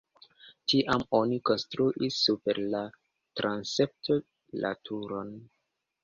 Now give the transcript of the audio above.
Tiam oni konstruis super la transepto la turon.